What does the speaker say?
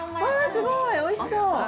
すごい、おいしそう。